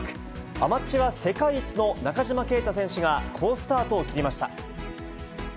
アマチュア世界一の中島啓太選手が好スタートを切りました。